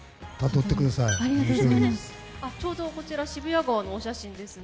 ちょうど渋谷川のお写真ですね。